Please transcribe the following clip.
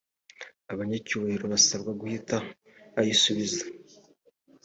abanyacyubahiro asabwa guhita ayisubiza